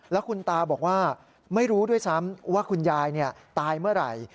แล้วคุณตาบอกว่าไม่รู้ด้วยซ้ำว่าคุณยายตายเมื่อไหร่